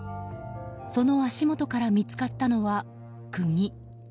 その足元から見つかったのは、釘。